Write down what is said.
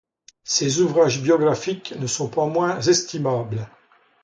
Ses ouvrages biographiques ne sont pas moins estimables.